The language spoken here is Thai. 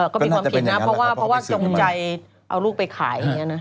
ก็มีความผิดนะเพราะว่าจงใจเอาลูกไปขายอย่างนี้นะ